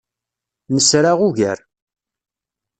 Nesra ugar.